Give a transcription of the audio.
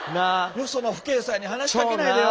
よその父兄さんに話しかけないでよ。